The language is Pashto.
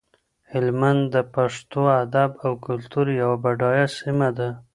هلمند د پښتو ادب او کلتور یوه بډایه سیمه ده.